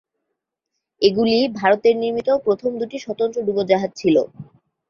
এগুলি ভারতের নির্মিত প্রথম দুটি স্বতন্ত্র ডুবোজাহাজ ছিল।